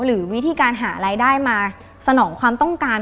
หรือวิธีการหารายได้มาสนองความต้องการ